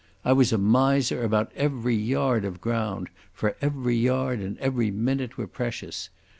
I was a miser about every yard of ground, for every yard and every minute were precious.